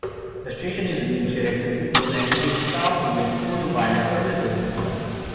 The station is wheelchair-accessible and is staffed with full Via services.